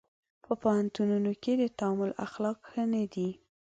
په پوهنتونونو کې د تعامل اخلاق ښه نه دي.